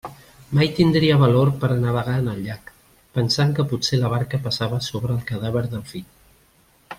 Mai tindria valor per a navegar en el llac, pensant que potser la barca passava sobre el cadàver del fill.